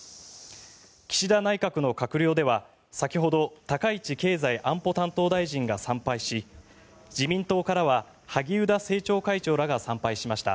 岸田内閣の閣僚では先ほど高市経済安保大臣が参拝し自民党からは萩生田政調会長らが参拝しました。